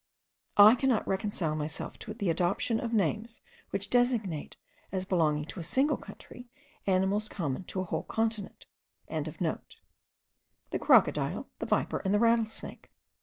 I cannot reconcile myself to the adoption of names, which designate, as belonging to a single country, animals common to a whole continent.) the crocodile, the viper, and the rattlesnake.